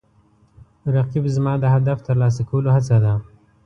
رقیب زما د هدف ترلاسه کولو هڅه ده